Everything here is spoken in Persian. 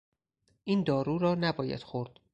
این دارو را نباید خورد.